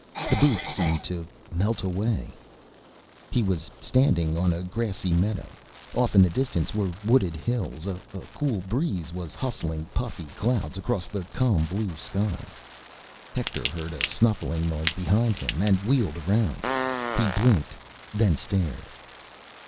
The booth seemed to melt away ... He was standing on a grassy meadow. Off in the distance were wooded hills. A cool breeze was hustling puffy white clouds across the calm blue sky. Hector heard a snuffling noise behind him, and wheeled around. He blinked, then stared.